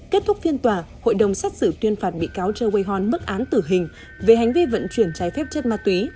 kết thúc phiên tòa hội đồng xét xử tuyên phạt bị cáo choe wei hon bức án tử hình về hành vi vận chuyển trái phép chất ma túy